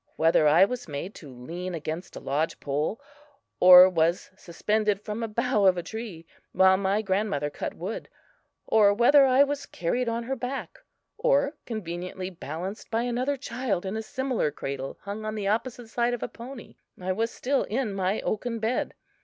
Whether I was made to lean against a lodge pole or was suspended from a bough of a tree, while my grandmother cut wood, or whether I was carried on her back, or conveniently balanced by another child in a similar cradle hung on the opposite side of a pony, I was still in my oaken bed.